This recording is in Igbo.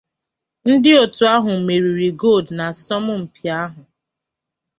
Ndị otu ahụ meriri Gold na asọmpi ahụ.